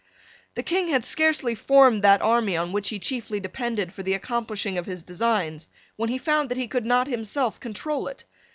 The King had scarcely formed that army on which he chiefly depended for the accomplishing of his designs when he found that he could not himself control it.